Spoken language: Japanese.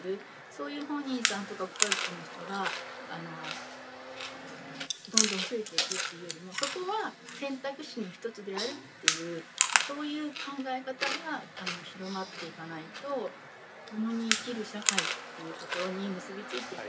そういう本人さんとかご家族の人がどんどん増えていくっていうよりもそこは選択肢の一つであるっていうそういう考え方が広まっていかないと共に生きる社会っていうところに結び付いていかない気がします。